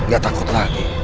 gak takut lagi